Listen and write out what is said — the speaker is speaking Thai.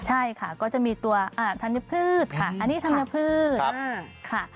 ใช่ค่ะก็จะมีตัวอ่าธรรมยพืชค่ะอันนี้ธรรมยพืชครับค่ะ